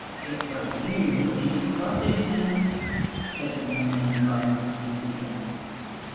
"It was you interrupted him," said the young man, grinding his teeth again.